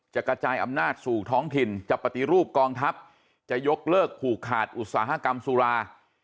กระจายอำนาจสู่ท้องถิ่นจะปฏิรูปกองทัพจะยกเลิกผูกขาดอุตสาหกรรมสุรา